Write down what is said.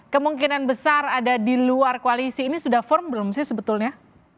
kemungkinan besar ada di luar koalisi ini sudah firm belum sih sebetulnya